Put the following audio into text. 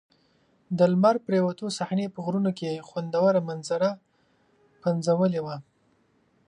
د لمر پرېوتو صحنې په غرونو کې خوندوره منظره پنځولې وه.